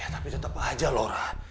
tapi tetap aja lora